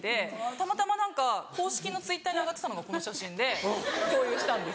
たまたま何か公式のＴｗｉｔｔｅｒに上がってたのがこの写真で共有したんです。